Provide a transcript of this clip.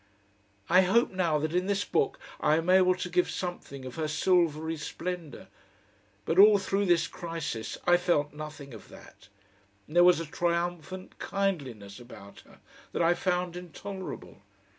I hope now that in this book I am able to give something of her silvery splendour, but all through this crisis I felt nothing of that. There was a triumphant kindliness about her that I found intolerable.